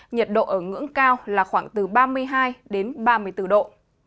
nhiệt độ ở ngưỡng cao là khoảng từ ba mươi hai đến ba mươi bốn độ